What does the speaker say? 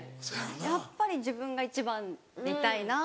やっぱり自分が１番でいたいなって。